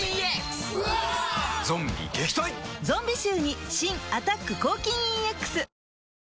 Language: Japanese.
ゾンビ臭に新「アタック抗菌ＥＸ」